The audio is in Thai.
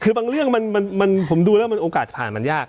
คือบางเรื่องผมดูแล้วมันโอกาสผ่านมันยาก